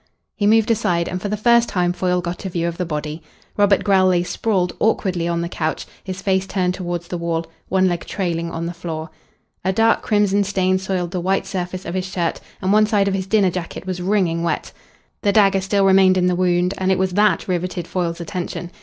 He moved aside and for the first time Foyle got a view of the body. Robert Grell lay sprawled awkwardly on the couch, his face turned towards the wall, one leg trailing on the floor. A dark crimson stain soiled the white surface of his shirt, and one side of his dinner jacket was wringing wet. The dagger still remained in the wound, and it was that riveted Foyle's attention.